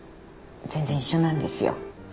全然一緒なんですよ。